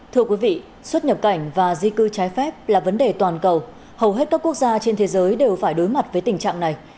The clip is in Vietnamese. thưa quý vị xuất nhập cảnh và di cư trái phép là vấn đề toàn cầu hầu hết các quốc gia trên thế giới đều phải đối mặt với tình trạng này